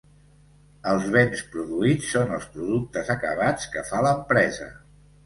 Els béns produïts són els productes acabats que fa l'empresa.